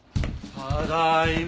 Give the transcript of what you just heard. ただいま。